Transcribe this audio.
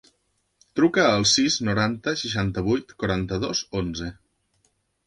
Truca al sis, noranta, seixanta-vuit, quaranta-dos, onze.